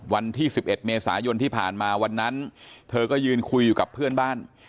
วันที่๑๑เมษายนที่ผ่านมาวันนั้นเธอก็ยืนคุยอยู่กับเพื่อนบ้าน